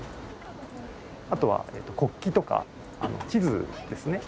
あとは国旗とか地図ですね。